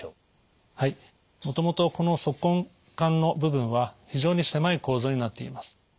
もともとこの足根管の部分は非常に狭い構造になっています。